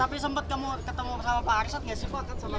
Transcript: tapi sempat ketemu sama pak arsat gak sih pak